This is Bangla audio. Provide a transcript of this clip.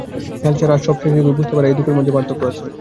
হাল ছাড়া আর সব শেষ হয়ে গিয়েছে বুঝতে পারা এ দুটোর মাঝে পার্থক্য আছে।